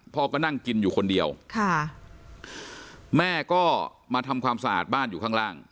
พ่อก็นั่งกินอยู่คนเดียวค่ะแม่ก็มาทำความสะอาดบ้านอยู่ข้างล่าง